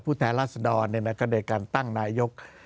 ผู้แทนราชดรด้วยการตั้งนายก